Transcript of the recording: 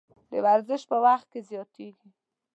د ورزش په وخت کې زیاتیږي.